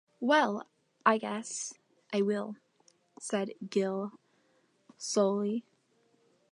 "Well — I guess — I will," said Gill slowly.